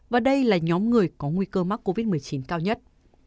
và đây là nhóm người có nguy cơ mắc covid một mươi chín cao nhất